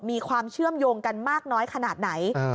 มีความเชื่อมโยงกันมากน้อยขนาดไหน